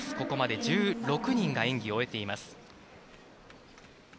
ここまで１６人が演技を終えています。